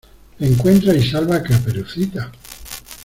le encuentra y salva a Caperucita.